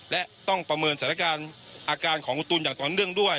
และต้องประเมินสถานการณ์อาการของคุณตูนอย่างต่อเนื่องด้วย